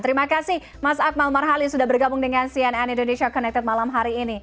terima kasih mas akmal marhali sudah bergabung dengan cnn indonesia connected malam hari ini